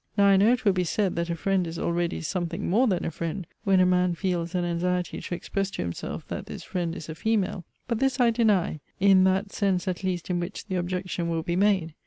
Now, I know it will be said, that a friend is already something more than a friend, when a man feels an anxiety to express to himself that this friend is a female; but this I deny in that sense at least in which the objection will be made.